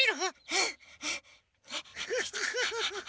フフフフフ。